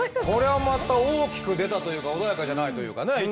これはまた大きく出たというか穏やかじゃないというかね。